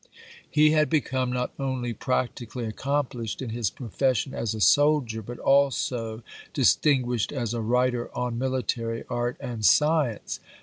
He had become not only practically accomplished in his profession as a soldier, but also distinguished as a wi'iter on mili tary art and science.